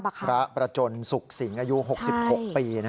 พระประจนสุขสิงอายุ๖๖ปี